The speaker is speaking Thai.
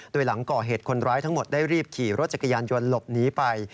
โดยหลังก่อเหตุคนร้ายทั้งหมดได้รีบขี่รถจักรยานยนต์หลบหนีไป